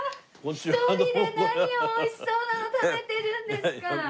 １人で何を美味しそうなの食べてるんですか！